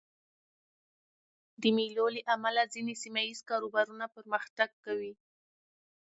د مېلو له امله ځيني سیمه ییز کاروبارونه پرمختګ کوي.